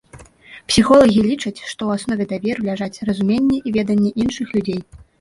Псіхолагі лічаць, што ў аснове даверу ляжаць разуменне і веданне іншых людзей.